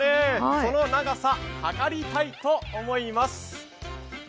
その長さをはかりたいと思います。